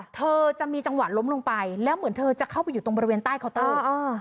เธอจะมีจังหวะล้มลงไปแล้วเหมือนเธอจะเข้าไปอยู่ตรงบริเวณใต้เคาน์เตอร์